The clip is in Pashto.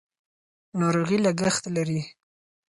ناروغي لګښت لري.